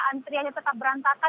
antrianya tetap berantakan